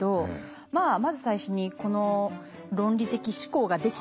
まず最初にこの論理的思考ができてない子